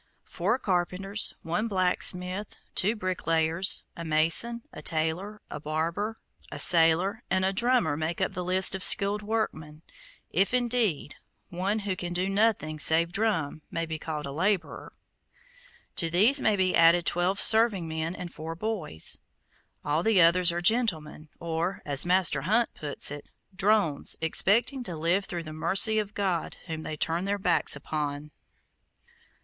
Four carpenters, one blacksmith, two bricklayers, a mason, a sailor, a barber, a tailor, and a drummer make up the list of skilled workmen, if, indeed, one who can do nothing save drum may be called a laborer. To these may be added twelve serving men and four boys. All the others are gentlemen, or, as Master Hunt puts it, drones expecting to live through the mercy of God whom they turn their backs upon.